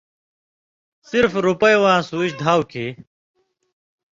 صرف رُپئ واں سُوچ دھاؤ کھیں